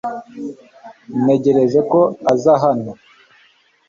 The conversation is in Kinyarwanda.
Ntegereje ko aza hano .